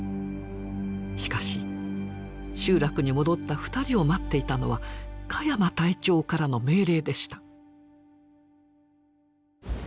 しかし集落に戻った２人を待っていたのは鹿山隊長からの命令でした。